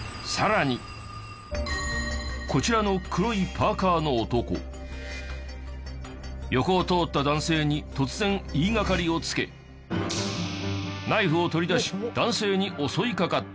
こちらの黒いパーカーの男横を通った男性に突然言いがかりをつけナイフを取り出し男性に襲いかかった。